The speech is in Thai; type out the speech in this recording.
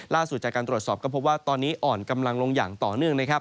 ล่าสุดจากการตรวจสอบก็พบว่าตอนนี้อ่อนกำลังลงอย่างต่อเนื่องนะครับ